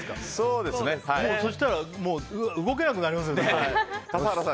そうしたら動けなくなりますね。